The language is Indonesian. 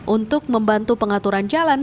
untuk membantu pengaturan jalan